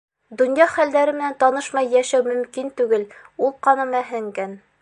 Донъя хәлдәре менән танышмай йәшәү мөмкин түгел, ул ҡаныма һеңгән.